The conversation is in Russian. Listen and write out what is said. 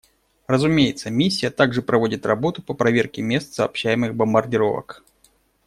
Разумеется, Миссия также проводит работу по проверке мест сообщаемых бомбардировок.